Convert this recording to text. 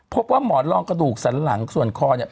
หมอนรองกระดูกสันหลังส่วนคอเนี่ย